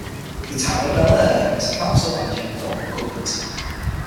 The Town of Belleair has a Council-Manager form of government.